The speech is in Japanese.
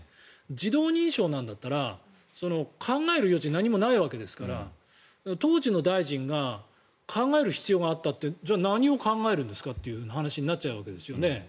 自動認証だったら考える余地が何もないわけですから当時の大臣が考える必要があったってじゃあ何を考えるんですかという話になっちゃうわけですよね。